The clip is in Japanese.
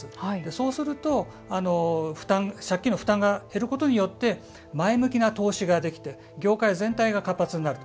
そうすると、負担借金の負担が減ることによって前向きな投資ができて業界全体が活発になる。